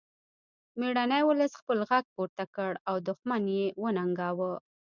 میړني ولس خپل غږ پورته کړ او دښمن یې وننګاوه